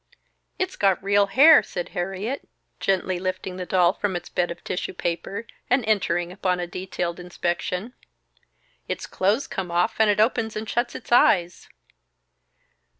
"It's got real hair!" said Harriet, gently lifting the doll from its bed of tissue paper, and entering upon a detailed inspection. "Its clothes come off, and it opens and shuts its eyes."